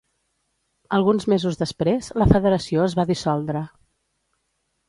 Alguns mesos després, la federació es va dissoldre.